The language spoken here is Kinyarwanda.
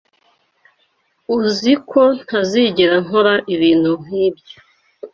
Uzi ko ntazigera nkora ibintu nkibyo.